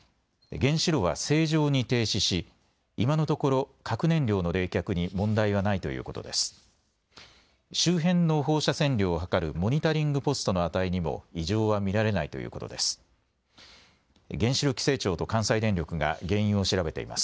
原子炉は正常に停止し今のところ核燃料の冷却に問題はないということです。